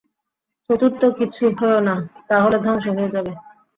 চতুর্থ কিছু হয়ো না, তা হলে ধ্বংস হয়ে যাবে।